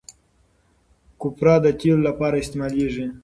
کوپره د تېلو لپاره استعمالیږي.